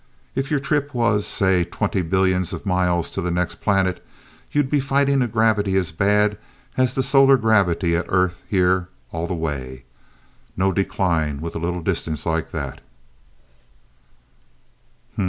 If your trip was, say, twenty billions of miles to the next planet, you'd be fighting a gravity as bad as the solar gravity at Earth here all the way no decline with a little distance like that."